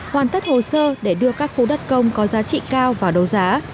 hoàn tất hồ sơ để đưa các khu đất công có giá trị cao vào đấu giá